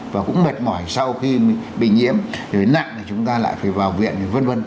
và cũng mệt mỏi sau khi bị nhiễm rồi nặng thì chúng ta lại phải vào viện v v